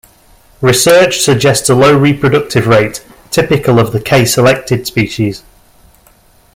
Research suggests a low reproductive rate, typical of the K-selected species.